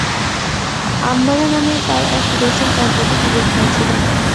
আম্মারা নামে তার এক সুদর্শন টগবগে যুবক ভাই ছিল।